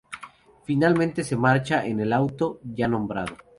Finalmente se marcha en el auto ya nombrado.